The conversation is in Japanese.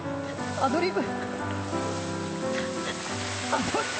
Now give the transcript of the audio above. アドリブ。